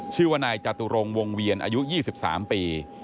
ชื่อว่านายจตุรงวงเวียนอายุ๒๓ปี